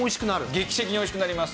劇的においしくなります。